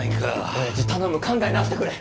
親父頼む考え直してくれ！